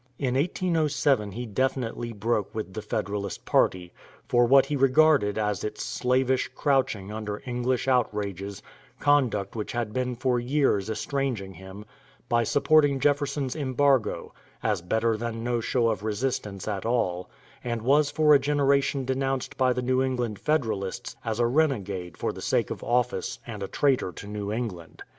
In 1807 he definitely broke with the Federalist party for what he regarded as its slavish crouching under English outrages, conduct which had been for years estranging him by supporting Jefferson's Embargo, as better than no show of resistance at all; and was for a generation denounced by the New England Federalists as a renegade for the sake of office and a traitor to New England.